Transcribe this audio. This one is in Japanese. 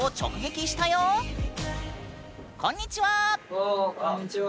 わあこんにちは！